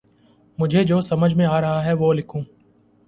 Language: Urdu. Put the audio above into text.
مجھے جو سمجھ میں آرہا ہے وہ لکھوں